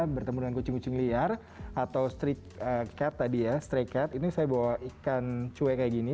bertemu dengan kucing liar atau striked tadi ya striked ini saya bawa ikan cuek kayak gini